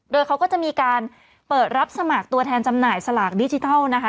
โดยเขาก็จะมีการเปิดรับสมัครตัวแทนจำหน่ายสลากดิจิทัลนะคะ